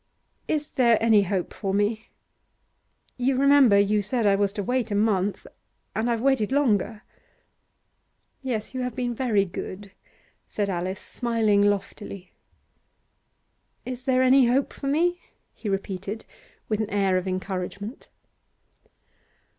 'Is there any hope for me? You remember you said I was to wait a month, and I've waited longer.' 'Yes, you have been very good,' said Alice, smiling loftily. 'Is there any hope for me?' he repeated, with an air of encouragement.